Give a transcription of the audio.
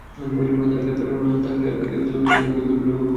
তাঁরা গ্রেপ্তার হলে হত্যাকাণ্ডের মোটিভ বের হবে বলে তিনি মনে করেন।